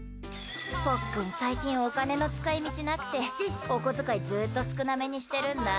ポッ君、最近お金の使い道なくてお小遣いずっと少なめにしてるんだ。